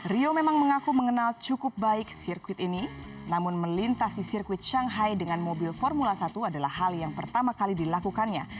rio memang mengaku mengenal cukup baik sirkuit ini namun melintasi sirkuit shanghai dengan mobil formula satu adalah hal yang pertama kali dilakukannya